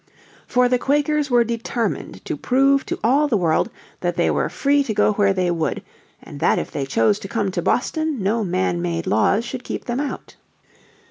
For the Quakers were determined to prove to all the world that they were free to go where they would, and that if they chose to come to Boston no man made laws should keep them out.